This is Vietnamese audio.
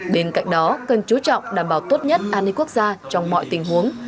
bên cạnh đó cần chú trọng đảm bảo tốt nhất an ninh quốc gia trong mọi tình huống